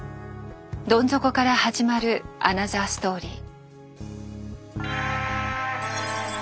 どん底から始まるアナザーストーリー。